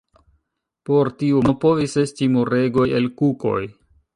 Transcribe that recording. Por tiu mono povis esti muregoj el kukoj.